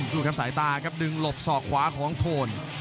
ดูครับสายตาครับดึงหลบศอกขวาของโทน